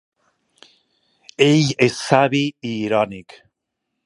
Ell és savi i irònic.